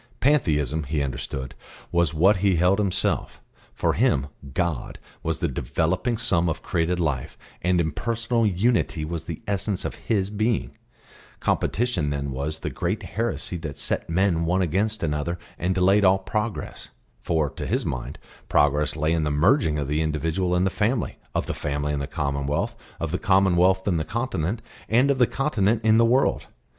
Pantheism, he understood, was what he held himself; for him "God" was the developing sum of created life, and impersonal Unity was the essence of His being; competition then was the great heresy that set men one against another and delayed all progress; for, to his mind, progress lay in the merging of the individual in the family, of the family in the commonwealth, of the commonwealth in the continent, and of the continent in the world.